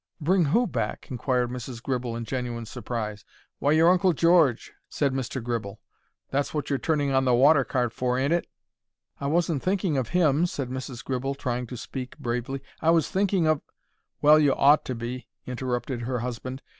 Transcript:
"Bring who back?" inquired Mrs. Gribble, in genuine surprise. "Why, your Uncle George," said Mr. Gribble. "That's what you're turning on the water cart for, ain't it?" "I wasn't thinking of him," said Mrs. Gribble, trying to speak bravely. "I was thinking of——" "Well, you ought to be," interrupted her husband.